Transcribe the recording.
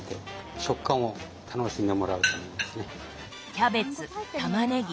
キャベツたまねぎ